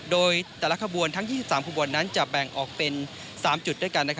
โดยแต่ละขบวนทั้ง๒๓ขบวนนั้นจะแบ่งออกเป็น๓จุดด้วยกัน